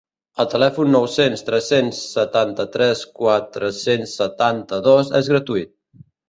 El telèfon nou-cents tres-cents setanta-tres quatre-cents setanta-dos és gratuït.